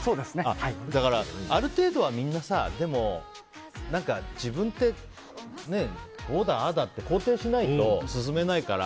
だから、ある程度はみんな自分って、こうだああだって肯定しないと進めないから。